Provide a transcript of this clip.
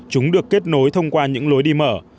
chúng được kết nối thông qua những lối đi mở